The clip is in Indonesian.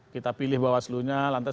kita pilih bawah selunya lantas